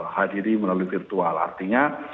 hadiri melalui virtual artinya